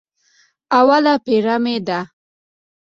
اوله پېره مې ده.